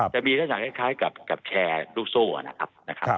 จะมีลักษณะคล้ายกับแชร์ลูกโซ่นะครับ